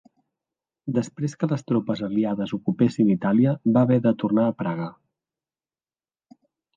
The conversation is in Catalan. Després que les tropes aliades ocupessin Itàlia, va haver de tornar a Praga.